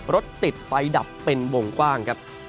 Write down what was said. รถติดไปดับเป็นวงกว้าง